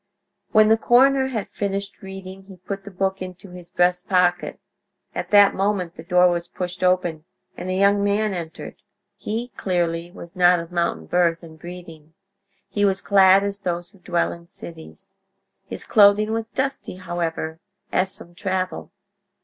When the coroner had finished reading he put the book into his breast pocket. At that moment the door was pushed open and a young man entered. He, clearly, was not of mountain birth and breeding: he was clad as those who dwell in cities. His clothing was dusty, however, as from travel.